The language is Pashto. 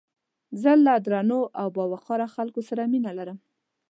زه له درنو او باوقاره خلکو سره مينه لرم